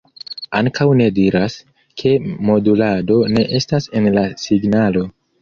Ankaŭ ne diras, ke modulado ne estas en la signalo.